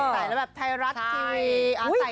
ใส่แล้วแบบไทรัสที